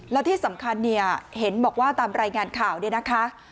แล้วที่สำคัญเนี่ยเห็นบอกว่าตามรายงานข่าวเนี่ยนะคะ